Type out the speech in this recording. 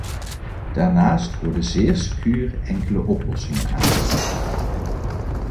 Daarnaast worden zeer secuur enkele oplossingen aangedragen.